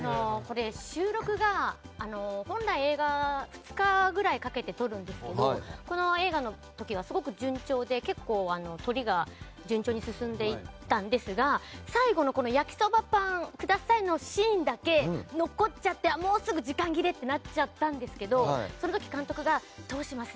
収録が本来、映画は２日ぐらいかけて撮るんですけどこの映画の時はすごく順調だったんですが最後の焼きそばパンくださいのシーンだけ残っちゃって、もうすぐ時間切れってなったんですけどその時監督がどうします